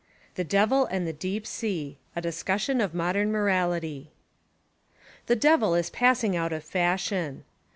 — The Devil and the Deep Sea A Discussion of Modern Morality THE DEVIL is passing out of fashion.